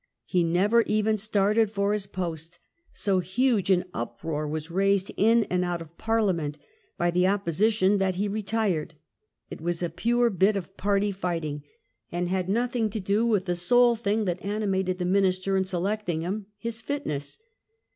He never even started for his post; so huge an uproar was raised in and out of Parliament by the Opposition that he retired. It was a pure bit of party fighting, and had nothing to do with the sole thing that animated the Minister in selecting him — his fitness.